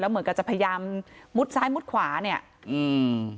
เหมือนกับจะพยายามมุดซ้ายมุดขวาเนี้ยอืม